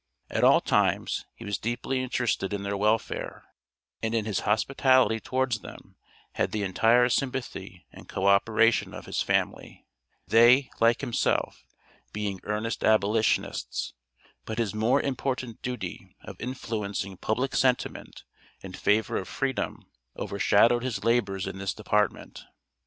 At all times he was deeply interested in their welfare, and in his hospitality towards them, had the entire sympathy and co operation of his family, they, like himself, being earnest abolitionists, but his more important duty of influencing public sentiment in favor of freedom, overshadowed his labors in this department.